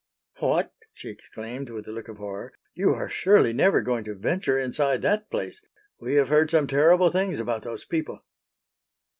"What!" she exclaimed, with a look of horror, "you are surely never going to venture inside that place! We have heard some terrible things about those people."